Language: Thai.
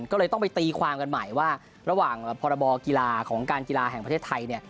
ก็เลยต้องไปตีความกันใหม่ว่าระหว่างพรบกีฬาของการกีฬาแห่งประเทศไทยเนี่ย